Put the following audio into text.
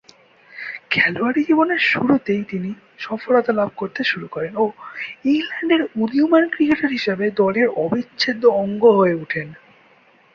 খেলোয়াড়ী জীবনের শুরুতেই তিনি সফলতা লাভ করতে শুরু করেন ও ইংল্যান্ডের উদীয়মান ক্রিকেটার হিসেবে দলের অবিচ্ছেদ্য অঙ্গ হয়ে উঠেন।